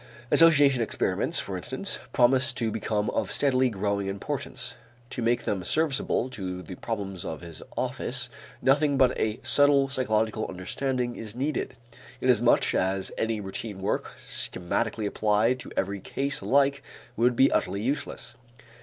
Association experiments, for instance, promise to become of steadily growing importance. To make them serviceable to the problems of his office, nothing but a subtle psychological understanding is needed, inasmuch as any routine work schematically applied to every case alike would be utterly useless.